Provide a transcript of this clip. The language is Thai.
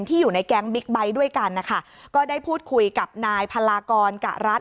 อยู่ในแก๊งบิ๊กไบท์ด้วยกันนะคะก็ได้พูดคุยกับนายพลากรกะรัฐ